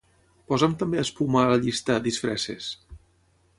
Posa'm també espuma a la llista "disfresses".